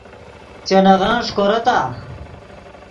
چے نغن ݰیکورتآ؟